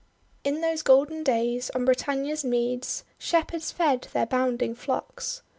••••••••• In those golden days, on Britannia's meads, Shepherds fed their bounding flocks.